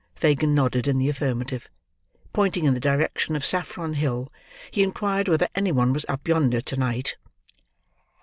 Fagin nodded in the affirmative. Pointing in the direction of Saffron Hill, he inquired whether any one was up yonder to night.